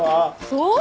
そう？